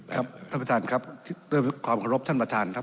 ท่านประธานครับด้วยความขอรบท่านประธานครับ